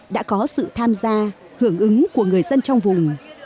đã có sự tham gia hưởng ứng của người dân trong vùng